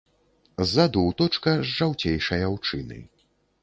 Ззаду ўточка з жаўцейшай аўчыны.